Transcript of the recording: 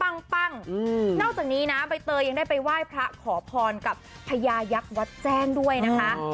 นอกจากนี้นะใบเตยยังได้ไปไหว้พระขอพรกับพญายักษ์วัดแจ้งด้วยนะคะ